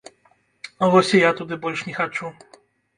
Вось і я туды больш не хачу.